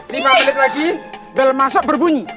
lima belit lagi bel masuk berbunyi